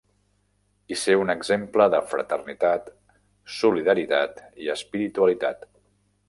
I ser un exemple de fraternitat, solidaritat i espiritualitat.